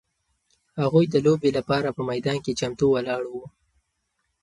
هغوی د لوبې لپاره په میدان کې چمتو ولاړ وو.